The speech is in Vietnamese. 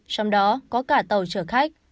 trong đó có cả tàu chở khách